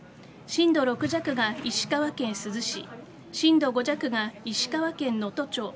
震度６弱が石川県珠洲市震度５弱が石川県能登町